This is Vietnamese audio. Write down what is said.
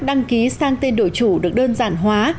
đăng ký sang tên đổi chủ được đơn giản hóa